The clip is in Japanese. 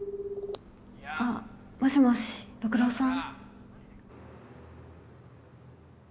あもしもし六郎さん？